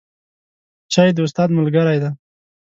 چای د استاد ملګری دی